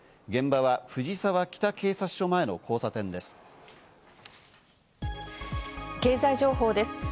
現場は藤沢北警察署前の交差点です。